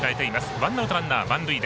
ワンアウト、ランナー、満塁。